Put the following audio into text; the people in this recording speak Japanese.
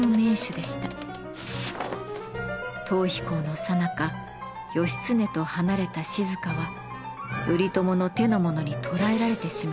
逃避行のさなか義経と離れた静は頼朝の手の者に捕らえられてしまいます。